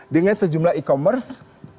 dengan sejumlah e commerce